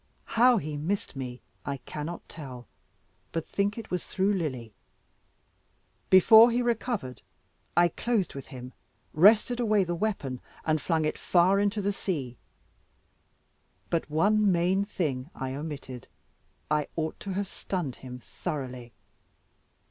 How he missed me I cannot tell, but think it was through Lily. Before he recovered, I closed with him, wrested away the weapon and flung it far into the sea. But one main thing I omitted; I ought to have stunned him thoroughly.